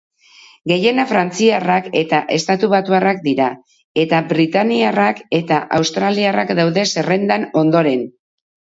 Gehienak frantziarrak eta estatubatuarrak dira, eta britainiarrak eta australiarrak daude zerrendan ondoren.